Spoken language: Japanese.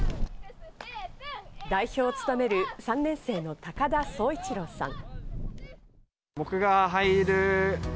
代表を務める３年生の高田壮一郎さん。